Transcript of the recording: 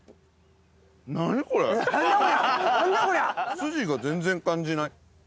筋が全然感じない。